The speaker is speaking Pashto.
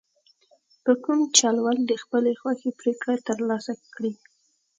په کوم چل ول د خپلې خوښې پرېکړه ترلاسه کړي.